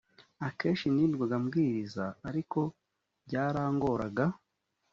akenshi nirirwaga mbwiriza ariko byarangoraga.